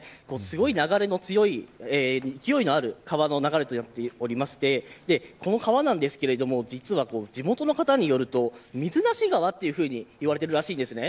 流れの強い、勢いのある川の流れになっておりましてこの川ですが、実は地元の方によると、水無し川というふうに言われているらしいです。